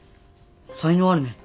才能あるね。